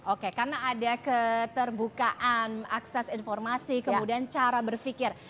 oke karena ada keterbukaan akses informasi kemudian cara berpikir